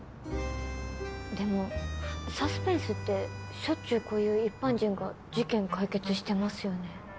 でもサスペンスってしょっちゅうこういう一般人が事件解決してますよね。